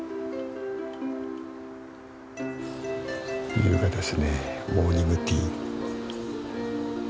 優雅ですねモーニングティー。